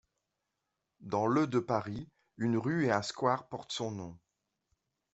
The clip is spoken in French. Dans le de Paris, une rue et un square portent son nom.